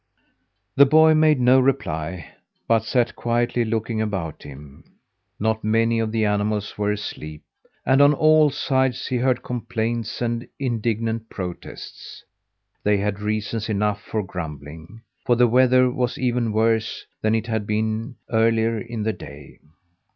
The boy made no reply, but sat quietly looking about him. Not many of the animals were asleep, and on all sides he heard complaints and indignant protests. They had reason enough for grumbling, for the weather was even worse than it had been earlier in the day.